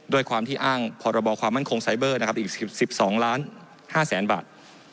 ด้วยความที่อ้างพรความมั่นคงไซเบอร์อีก๑๒๕๐๐๐๐๐บาท